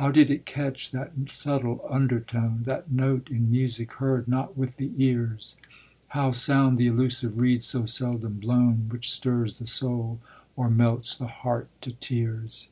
How did it catch that subtle undertone, That note in music heard not with the ears? How sound the elusive reed so seldom blown, Which stirs the soul or melts the heart to tears.